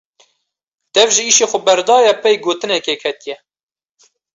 Dev ji îşê xwe berdaye pey gotinekê ketiye.